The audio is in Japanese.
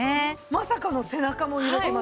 まさかの背中も揺れてます。